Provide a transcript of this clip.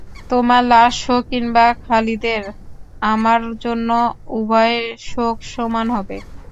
তোমার লাশ হোক কিংবা খালিদের আমার জন্য উভয় শোক সমান হবে।